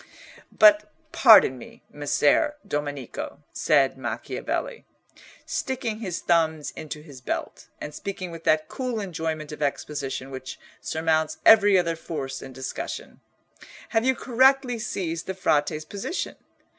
"But pardon me, Messer Domenico," said Macchiavelli, sticking his thumbs into his belt, and speaking with that cool enjoyment of exposition which surmounts every other force in discussion. "Have you correctly seized the Frate's position?